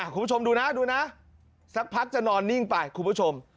คุณผู้ชมดูนะดูนะสักพักจะนอนนิ่งไปคุณผู้ชม